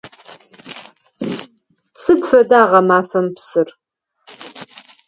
Сыд фэда гъэмафэм псыр?